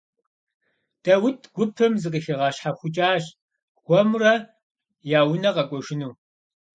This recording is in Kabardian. Даут гупым закъыхигъэщхьэхукӀащ, хуэмурэ я унэ кӀуэжыну.